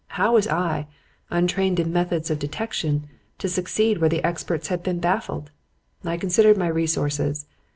How was I, untrained in methods of detection, to succeed where the experts had been baffled? I considered my resources.